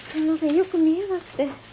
よく見えなくて。